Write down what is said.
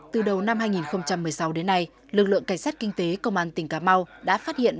từ đầu năm hai nghìn một mươi sáu đến nay lực lượng cảnh sát kinh tế công an tỉnh cà mau đã phát hiện